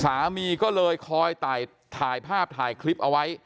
สามีก็เลยคอยถ่ายภาพถ่ายคลิปเอาไว้